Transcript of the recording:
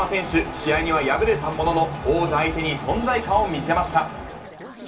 試合には敗れたものの、王者相手に存在感を見せました。